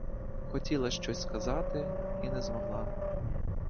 Хотіла щось сказати — і не змогла.